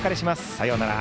さようなら。